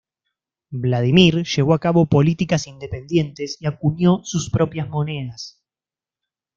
Vladímir llevó a cabo políticas independientes y acuñó sus propias monedas.